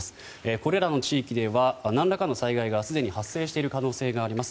これらの地域では何らかの災害がすでに発生している可能性があります。